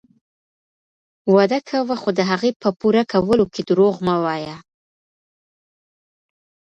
وعده کوه خو د هغې په پوره کولو کي دروغ مه وایه.